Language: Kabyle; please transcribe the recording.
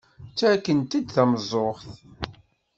Ttakkent-d tameẓẓuɣt.